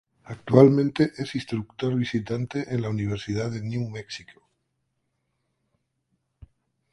Actualmente es instructor visitante en la Universidad de New Mexico.